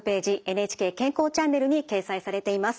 「ＮＨＫ健康チャンネル」に掲載されています。